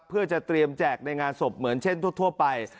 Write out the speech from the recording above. เพื่อจะเตรียมแจกในงานศพเหมือนเช่นทั่วไป